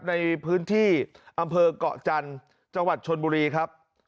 ในพื้นที่อำเภอกเกาะจันทร์จังหวัดชนบุรีครับ